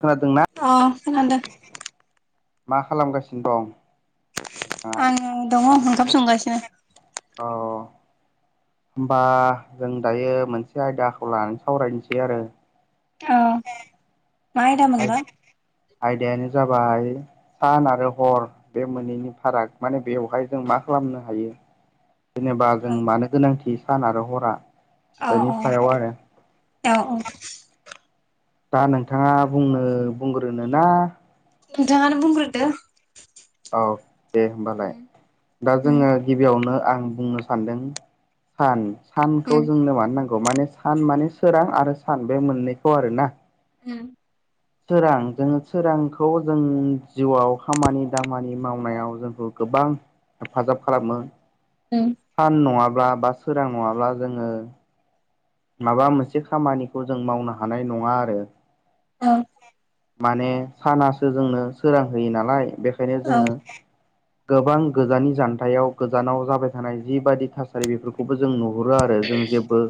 खोनादोंना अ खोनादों मा खालामगासिनो दं आं दङ ओंखाम संगासिनो औ होमबा जों दायो मोनसे आयदाखौ लानानै सावरायनोसै आरो औ आयदायानो जाबाय सान आरो हर बे मोनैनि फाराग माने बेवहाय जों मा खालामनो हायो जेनेबा जों अ मानो गोनांथि सान आरो हरा अ बेनि अ सायाव आरो औ औ दा नोंथाङा बुंनो बुंग्रोनना जानो बुंग्रोदो औ दे होनोमबालाय उम दा उम जोङो गिबियावनो आं बुंनो सानदों सान सानखौ जोंनो मानो नांगौ माने सान माने सोरां आरो सान बे मोननैखौ आरो ना उम सोरां जोङो सोरांखौ जों जिउआव खामानि दामानि मावनायाव जोंखौ गोबां हेफाजाब खालामो [unintelligible] सान नङाब्ला बा सोरां नङाब्ला जोङो माबा मोनसे खामानिखौ जों मावनो हानाय नङा आरो। औ। माने सानासो जोंनो सोरां होयो नालाय बेखायनो जोङो औ गोबां गोजाननि जानथायाव गोजानाव जाबाय थानाय जिबादि थासारि बेफोरखौबो जों नु नुहरो आरो जों जेबो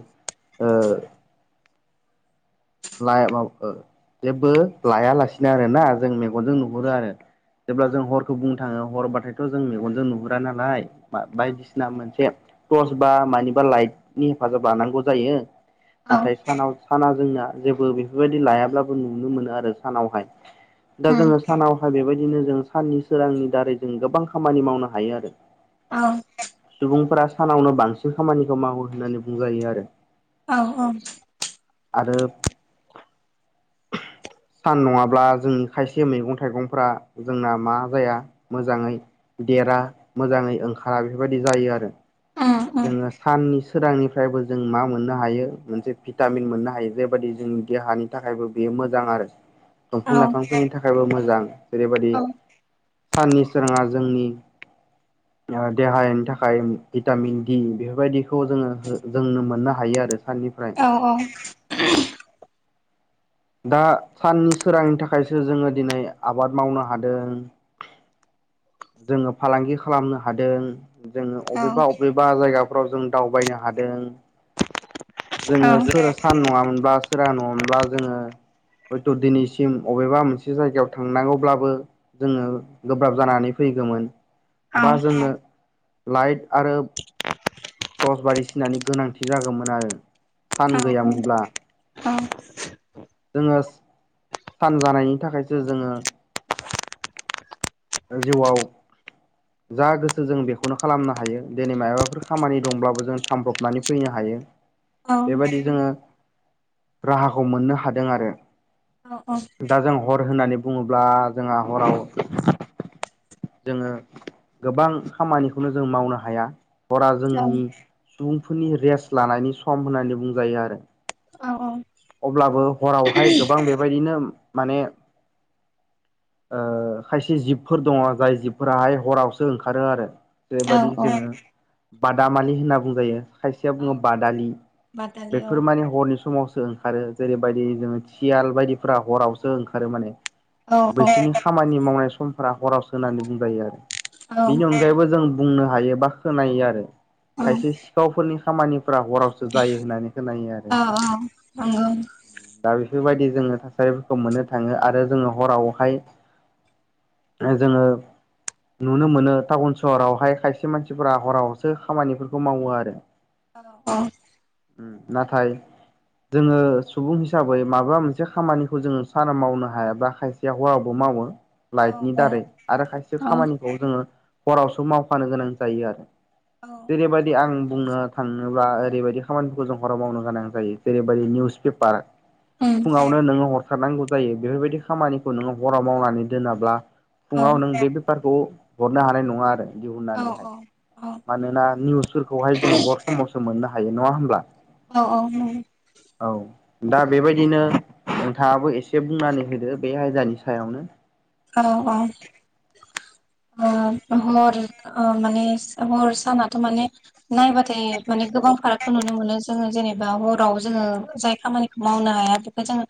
[unintelligible] जेबो लाया लासिनो आरो ना जों मेगनजों नुहरो आरो जेब्ला जों हर खौ बुंनो थाङो हरबाथायथ' जों मेगनजों नुहुरा नालाय बायदिसिना मोनसे टर्च बा मानिबा लाइटनि हेफाजाब लानांगौ जायो औ नाथाय सानाव साना जोंना जेबो बेफोरबायदि लायाब्लाबो नुनो मोनो आरो सानावहाय दा उम जोङो सानावहााय बेबायदिनो जों साननि सोरांनि दारै जों गोबां खामानि मावनो हायो आरो औ सुबुंफोरा सानावनो बांसिन खामानिखौ मावो होननानै बुंजायो आरो औ औ आरो [inaudible] सान नङाब्ला जोंनि खायसे मैगं थाइगंफ्रा जोंना मा जाया मोजाङै देरा मोजाङै ओंखारा बेफोरबायदि जायो आरो उम उम जोङो साननि सोरांनिफ्रायबो जों मा मोननो हायो मोनसे भिटामिन मोननो हायो जेबाददि जोंनि देहानि थाखायबो बेयो मोजां आरो औ दंफां लाइफांफोरनि थाखायबो मोजां जेरैबायदि औ साननि सोराङा जोंनि देहानि थाखाय भिटामिन बेफोरबायदिखौ जोङो जोंनो मोननो हायो आरो साननिफ्राय औ औ दा साननि सोरांनि थाखायसो जोङो दिनै आबाद मावनो हादों जोङो फालांगि खालामनो हादों जोङो औ बबेबा बबेबा जायगाफ्राव जों दावबायनो हादों जोङो औ सोर सान नङामोनब्ला सोरा नङामोनब्ला जोङो हयथ' दिनैसिम अबेबा मोनसे जायगायाव थांनांगौब्लाबो जोङो गोब्राब जानानै फैगौमोन औ बा जोङो लाइट आरो टर्च बारदि सिनानि गोनांथि जागौमोन आरो सान गैयामोनब्ला औ जोङो सान जानायनि थाखायसो जोङो जिउआव [inaudible] जा गोसो जों बेखौनो खालामनो हायो दिनै मायाबाफोर खामानि दंब्लाबो जों थांब्रनानै फैनो हायो [inaudible] बेबायदि जोङो राहाखौ मोननो हादों आरो। दा जों हर होननानै बुङोब्ला जोंहा हराव जोङो गोबां खामानिखौनो जों मावनो हाया हरा जोंनि सुबुंफोरनि रेस्ट लानायनि सम होननानै बुंजायो आरो औ औ अब्लाबो हरावहाय गोबां बेबायदिनो माने ओ खायसे जिबफोर दङ जाय जिबफोराहाय हरावसो ओंखारो आरो। औ जेबायदि औ जोङो बादामालि होनना बुंजायो। खायसेया औ बुङो बादालि बादालि औ बेफोर माने हरनि समावसो ओंखारो जेरैबायदि जोङो सियाल बायदिफोरा हरावसो ओंखारो माने औ औ बैसोरनि खामानि मावनाय समफोरा हरावसो होननानै बुंजायो आरो औ बेनि अनगायैबो जों बुंनो हायो बा खोनायो आरो। औ खायसे सिखावफोरनि खामानिफोरा हरावसो जायो होननानै खोनायो आरो अ ओं ओं दा बेफोरबायदि जोंङो थासारिफोरखौ मोननो थाङो आरो जोंङो हरावहाय ओ जोंङो नुनो मोनो टाउन सहरावहाय खायसे मानसिफोरा हरावसो खामानिफोरखौ मावो आरो। [unintelligible] नाथाय जोंङो सुबुं हिसाबै माबा मोनसे खामानिखौ जोंङो साना मावनो हायाब्ला खायसेया हरावबो मावो। लाइटनि औ औ दारै आरो खायसे औ खामानिखौ जोंङो हरावसो मावफानो गोनां जायो आरो औ जेरैबायदि आं बुंनो थाङोब्ला ओरैबायदि खामानिफोरखौ जों हराव मावनो गोनां जायो। जेरैबायदि निउस पेपार औ फुङावनो नोंङो हर थारनांगौ जायो बेफोरबायदि खामानिखौ नोंङो हराव मावनानै दोनाब्ला औ फुङाव नों जेबो खौ हरनो हानाय नङा आरो औ दिहुननानैहाय औ मानोना निउसफोरखौहाय जोंङो हर समावसो मोननो हायो नङा होमब्ला औ औ औ दा बेबायदिनो नोंथाङाबो एसे बुंनानै होदो बे आयदानि सायावनो। हराव औ हर माने हर सानाथ' माने नायबाथाय माने गोबां फारागखौ नुनो मोनो जोङो जेनेबा हराव जोंङो जाय खामानिखौ मावनो हाया बे जों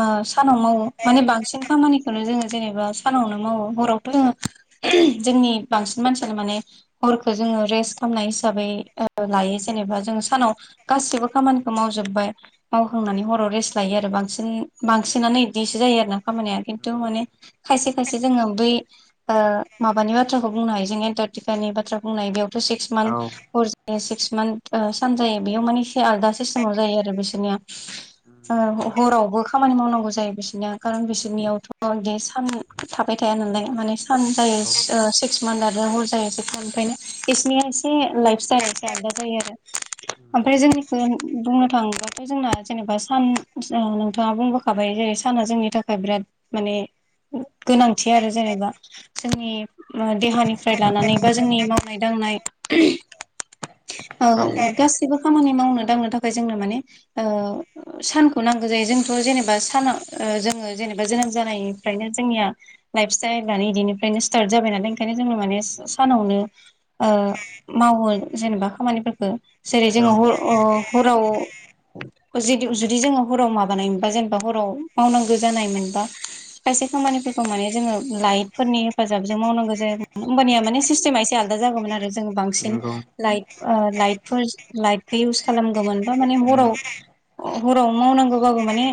मा सानाव मावो माने बांसिन खामानिखौनो जोंङो जेनेबा सानावनो मावो हरावथ' जोंङो जोंनि बांसिन मानसियानो माने हरखौ जोंङो रेस्ट खालामनाय हिसाबै लायो जेनेबा जों सानाव गासिबो खामानिखौ मावजोब्बाय मावखांनानै हराव रेस्ट लायो आरो बांसिन बांसिनानो बिदिसो जायो आरो ना खामानिया खिन्थु माने खायसे खायसे जोंङो बै माबानि बाथ्राखौ बुंनो हायो जों एन्टारटिकानि बाथ्रा बुंनो हायो बेयाव सिक्स औ मानत सिक्स मान्थ सान जायो बेयाव माने एसे आलादा सिस्टेमाव जायो आरो बिसोरनिया। ओ हरावबो खामानि मावनांगौ जायो बिसोरनिया खारन बिसोरनियावथ' गेस सान थाबाय थाया नालाय माने सान जायो सिक्स मान्थ आरो हर जायो जेखौ ओंखायनो बिसिनिया एसे लाइफ स्टाइल एसे आलदा जायो आरो ओमफ्राय जोंनिखौ बुंनो थाङोबा जोंना जेनेबा सान नोंथाङा बुंबोखाबाय जेरै साना जोंनि थाखाय बिराद माने गोनांथि आरो जेनेबा जोंनि देहानिफ्राय लानानै बा जोंनि मावनाय दांनाय औ गासैबो खामानि मावनो दांनो थाखाय जोंनो माने ओ सानखौ नांगौ जायो जोंथ' जेनेबा साना जोंङो जेनेबा जोनोम जानाय निफ्रायनो जोंनिया लाइफ स्टाइलानो इदिनिफ्रायनो स्टार्ट जाबाय नालाय ओंखायनो जोंङो माने सानावनो मावो जेनेबा खामानिफोरखौ जेरै औ जोंङो हर अ हराव जुदि जोंङो हराव माबानाय मोनबा जेनेबा हराव मावनांगौ जानाय मोनबा खायसे खामानिफोरखौ माने जोङो लाइटफोरनि हेफाजाबजों मावनांगौ जाया होमबानिया माने सिस्टेमा एसे आलादा जागौमोन आरो आरो जोंङो बांसिन नंगौ लाइट लाइटफोर लाइटखौ इउस खालामगौमोन बा माने हराव हराव मावनांगौबाबो माने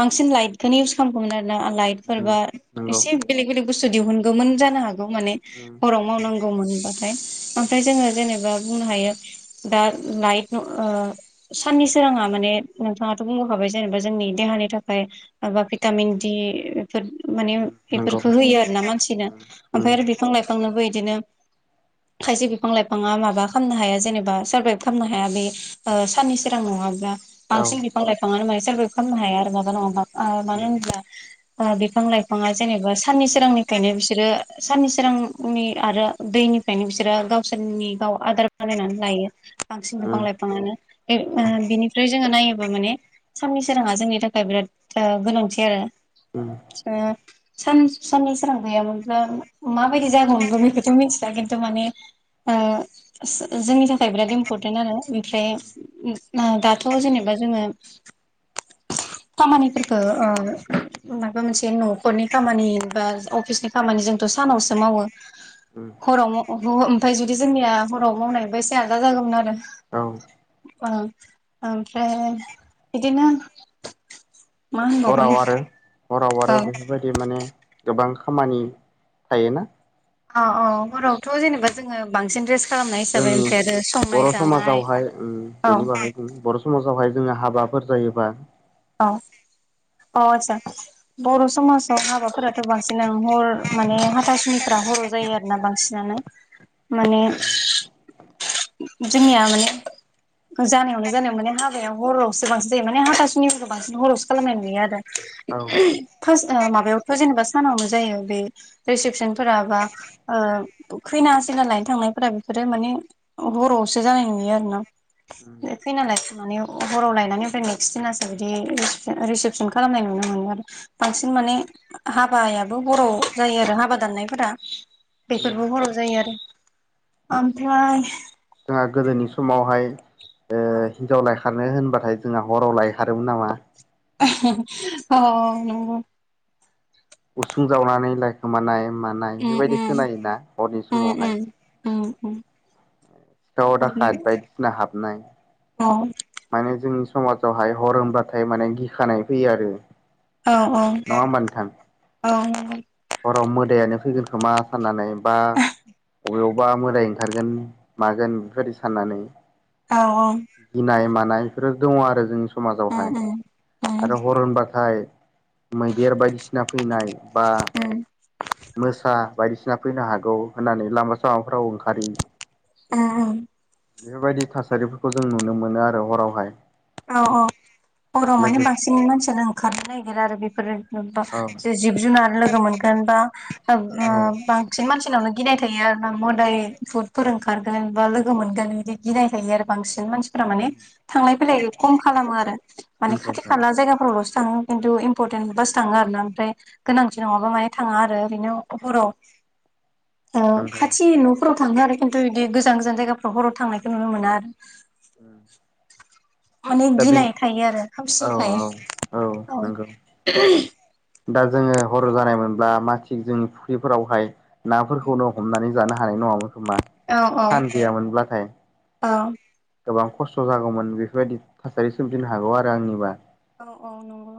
बांसिन लाइटखौनो इउस खालामगौमोन आरो ना लाइट सोरबा नंगौ एसे बेलेक बेलेक बुस्थु दिहुनगौमोन जानो हागौ माने हराव मावनांगौ मोनबाथाय ओमफ्राय जोंङो जेनेबा बुंनो हायो दा लाइट ओ साननि सोराङा माने नोंथाङाथ' बुंबोखाबाय जेनेबा जोंनि देहानि थाखाय बा भिटामिन दि फोर माने नंगौ बेफोरखौ होयो आरो ना मानसिनो उम ओमफ्राय आरो बिफां लाइफांनोबो बिदिनो खायसे बिफां लाइफाङा माबा खालामनो हाया जेनेबा सारभाइभ खालामनो हाया बे ओ साननि सोरां नङाब्ला औ उम बांसिन बिफां लाइफांयानो मा सोरबो खालामनो हाया आरो माबा नङाबा ओ मानो होनब्ला बिफां लाइफाङा जेनेबा साननि सोरांनिफ्रायनो बिसोरो साननि सोरांनि आरो दैनिफ्रायनो बिसोरो गावसोरनि गाव आदार बानायनानै लायो बांसिन नंगौ बिफां लाइफाङानो। बिनिफ्राय जोङो नायोबा माने साननि सोराङा जोंनि थाखाय बिराद गोनांथि आरो। उम ओ सान साननि सोरां गैयामोनब्ला माबायदि जागौमोनबो बेखौथ' मिथिला खिन्थु माने ओ जो-जोंनि थाखाय बिराद इम्परटेन्ट आरो ओमफ्राय ओ दाथ' जेनेबा जोङो खामानिफोरखौ ओ माबा मोनसे न'खरनि खामानि बा अफिसनि खामानि जोंथ' सानावसो मावो। उम हराव माव ओमफ्राय जुदि जोंनिया हराव मावनायबा एसे आलदा जागौमोन आरो। औ अ ओमफ्राय बिदिनो मा होनबावगोन हराव आरो हराव आरो औ बेफोरबायदि माने गोबां खामानि थायोना अ अ हरावथ' जेनेबा जोङो बांसिन रेस जोंनि बर' समाजावहाय औ बेनि बागै ओम बर' समाजावहाय जोङो हाबाफोर जायोबा औ अ आदसा बर' समाजाव हाबाफोराथ' बांसिनानो हर माने हाथासुनिफ हर' जायो आरो। आरोना बांसिनानो माने जोंनिया माने जानायावनो जानायावनो माने हाबाया हरावसो बांसिन जायो माने हाथासुनि बांसिन हरावसो खालामनाय नुयो आरो औ फार्स्ट ओ माबायावथ' जेनेबा सानावनो जायो बे रिसिपसनफोरा बा ओ खैनासैना लायनो थांनायफोरा बेफोरो माने हरावसो जानायनि नुयो आरोना। बे खैना लायखांनानै हराव लायनानै ओमफ्राय नेक्स्ट दिनासो बिदि ओम रिसिप- रिसिपसन खालामनाय नुनो मोनो आरो बांसिन माने हाबायाबो हराव जायो आरो हाबा दाननायफोरा बेफोरबो जोंहा हराव जायो आरो। ओमफ्राय जोंहा गोदोनि समावहाय ओ हिनजाव लायखारनो होनबाथाय जोंहा हराव लाय खारोमोन नामा। औ नंगौ उसुं जावनानै लाइ खोमानाय मानाय उम बेबायदि उम खोनायोना हरनि समावहाय। औ ओम सिखाव दाखायद बायदिसिना हाबनाय औ माने जोंनि समाजावहाय हर होमबाथाय माने गिखानाय फैयो आरो। औ औ नङा होमबा नोंथां औ हराव मोदायानो फैगोन खोमा साननानै बा अबे अवबा मोदाय ओंखारगोन मागोन बेफोरबायदि साननानै। औ औ गिनाय मानाय बेफोरो दङ आरो जोंनि उम समाजावहाय। उम उम आरो हर होनबाथाय मैदेर बायदिसिना फैनाय बा उम मोसा बायदिसिना फैनो हागौ होननानै लामा सामाफोराव ओंखारि ओ ओम बेफोरबायदि थासारिफोरखौ जों नुनो मोनो आरो हरावहाय। औ औ हराव माने लोगोसे बांसिन मानसियानो ओंखारनो नागिरो आरो बेफोरो औ जिब जुनार लोगो मोनगोन बा ओ औ बां सिन मानसिनावनो गिनाय थायो आरो ना मोदाइ बुदफोर ओंखारगोन बा लोगो मोनगोन बिदि गिनाय थायो आरो बांसिन मानसि फोरा माने थांलाय फैलाय खम खालामो आरो। माने खाथि ओंखायनोथ' खाला जायगाफोरावल'सो थाङो खिन्थु इम्परटेन्ट बासो थाङो आरोना। ओमफ्राय गोनांथि नङाबा माने थाङा आरो ओरैनो हराव [inaudible] खाथि नंगौ न'फोराव थाङो आरो। खिन्थु बिदि गोजान गोजान जायगाफ्राव हराव थांनायखौ नुनो मोना आरो। उम। माने दा बे गिनाय थायो आरो औ खोमसिखाय औ औ नंगौ। दा जोङो हर' जानाय मोनब्ला मा थिग जोंनि फुख्रिफोरावहाय नाफोरखौनो हमनानै जानो हानाय नङामोन खोमा। औ औ सान गैयामोनब्लाथाय औ। गोबां खस्थ' जागौमोन बेफोरबायदि थासारि सोमजिनो हागौ आरो आंनिबा। औ औ नंगौ।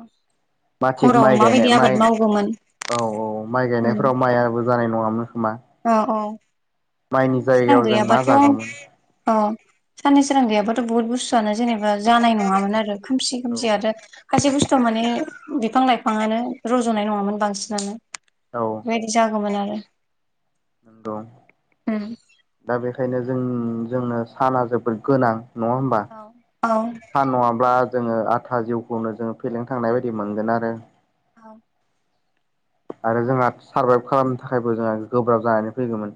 मा थिग हराव माइ माबायदि गायनाय आबाद माइ, मावगौमोन औ औ। माइ उम गायनायफ्राव माइ आबो जानाय नङामोन खोमा। औ औ। माइनि साननि सोरां जायगायाव जों मा गैयाबाथ, जागौमोन ' अ। साननि सोरां गैयाबाथ' बुहुत बुस्तुआनो जेनेबा जानाय नङामोन आरो। खोमसि औ खोमसि आरो खायसे बुस्थुआ माने बिफां लाइफाङानो रज'नाय नङामोन बांसिनानो। औ। बेबायदि जागौमोन आरो। नंगौ। उम दा बेखायनो जों-जोंनो साना जोबोद गोनां। नङा होमबा? औ औ सान नङाब्ला जोङो आधा जिउखौनो जोङो फेलें थांनाय बायदि मोनगोन आरो। औ। आरो जोंहा सारभाइब खालामनो थाखायबो जोंहा गोब्राब जानानै फैगौमोन।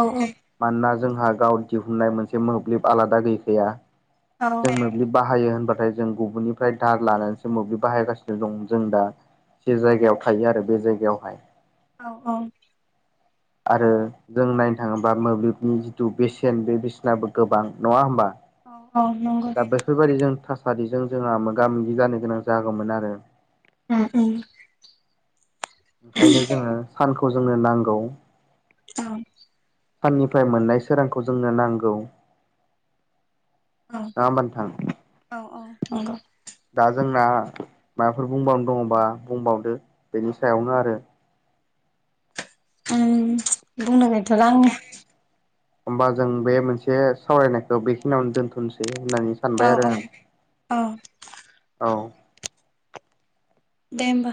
औ औ। मानोना जोंहा गाव दिहुननाय मोनसे मोब्लिब आलादा गैखाया। औ जोंनो मोब्लिब बाहायो होनबाथाय जों गुबुननिफ्राय दाहार लानानैसो मोब्लिब बाहायगासिनो दं जों दा। जि जायगायाव थायो आरो, बे जायगायावहाय। औ औ। आरो जों नायनो थाङोबा मोब्लिबनि जिथु बेसेन बे बेसेनाबो गोबां। नङा होमबा? औ औ नंगौ। दा बेफोरबायदि जों थासारिजों जोंहा मोगा मोगि जानो गोनां जागौमोन आरो। उम उम। ओंखायनो जोङो सानखौ जोंनो नांगौ। औ। साननिफ्राय मोननाय सोरांखौ जोंनो नांगौ। नङा होमबा नोंथां औ। औ औ नंगौ। दा जोंना माबाफोर बुंबावनो दङबा बुंबावदो। बेनि सायावनो आरो। बुंनो गैथ'ला आंनि आ। होमबा जों बे मोनसे सावरायनायखौ बेखिनियावनो दोनथ'नोसै होननानै औ सानबाय औ आरो आं। औ औ। दे होमबा।